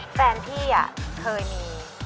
แฟนพี่อ่ะเคยมี